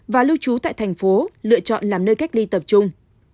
và lưu trú tại thành phố lựa chọn làm nơi cách ly tập trung